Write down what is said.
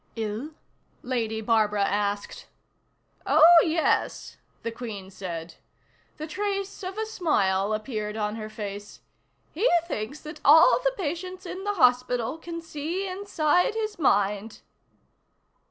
"Ill?" Lady Barbara asked. "Oh, yes," the Queen said. The trace of a smile appeared on her face. "He thinks that all the patients in the hospital can see inside his mind."